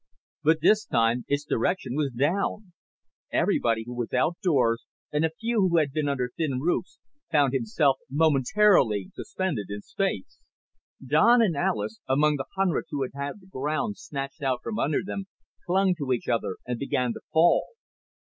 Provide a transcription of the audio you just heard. But this time its direction was down. Everyone who was outdoors and a few who had been under thin roofs found himself momentarily suspended in space. Don and Alis, among the hundreds who had had the ground snatched out from under them, clung to each other and began to fall.